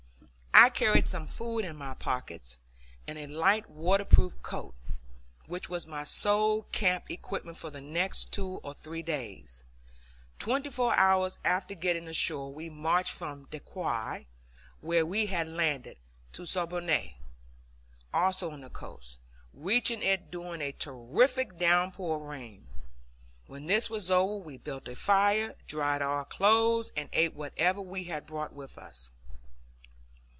I carried some food in my pockets, and a light waterproof coat, which was my sole camp equipment for the next two or three days. Twenty four hours after getting ashore we marched from Daiquiri, where we had landed, to Siboney, also on the coast, reaching it during a terrific downpour of rain. When this was over, we built a fire, dried our clothes, and ate whatever we had brought with us.